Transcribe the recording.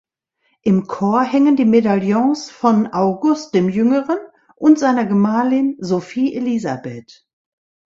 Im Chor hängen die Medaillons von August dem Jüngeren und seiner Gemahlin Sophie Elisabeth.